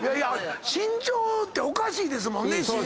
慎重っておかしいですもんね。